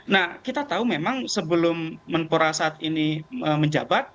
nah kita tahu memang sebelum menpora saat ini menjabat